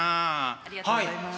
ありがとうございます。